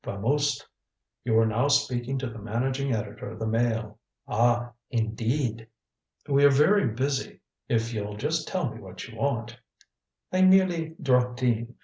Vamosed. You are now speaking to the managing editor of the Mail." "Ah. Indeed?" "We are very busy. If you'll just tell me what you want " "I merely dropped in.